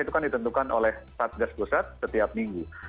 itu kan ditentukan oleh satgas pusat setiap minggu